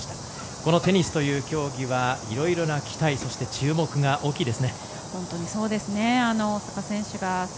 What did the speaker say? このテニスという競技はいろいろな期待そして注目が大きいですね。